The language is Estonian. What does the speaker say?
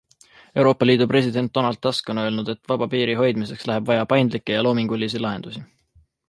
EU president Donald Tusk on öelnud, et vaba piiri hoidmiseks läheb vaja paindlike ja loomingulisi lahendusi.